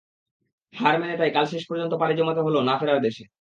হার মেনে তাই কাল শেষ পর্যন্ত পাড়ি জমাতে হলো না-ফেরার দেশে।